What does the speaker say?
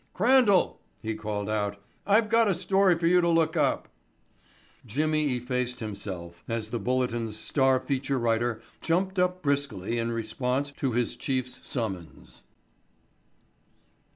"Crandall," he called out, "I've got a story for you to look up." Jimmy effaced himself as the Bulletin's star feature writer jumped up briskly in response to his chief's summons.